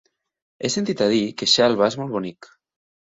He sentit a dir que Xelva és molt bonic.